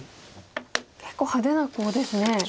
結構派手なコウですね。